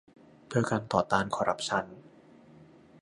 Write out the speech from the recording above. เพื่อการต่อต้านคอร์รัปชั่น